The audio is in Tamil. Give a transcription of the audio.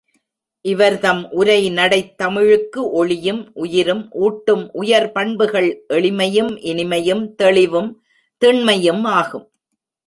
இவர்தம் உரைநடைத் தமிழுக்கு ஒளியும் உயிரும் ஊட்டும் உயர் பண்புகள் எளிமையும் இனிமையும் தெளிவும் திண்மையும் ஆகும்.